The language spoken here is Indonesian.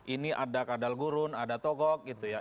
ini ada kadal gurun ada togok gitu ya